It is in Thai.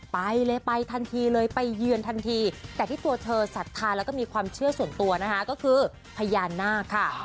ไปเลยไปทันทีเลยไปเยือนทันทีแต่ที่ตัวเธอศรัทธาแล้วก็มีความเชื่อส่วนตัวนะคะก็คือพญานาคค่ะ